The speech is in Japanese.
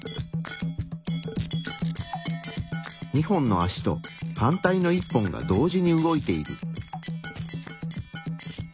２本の足と反対の１本が同時に動いている。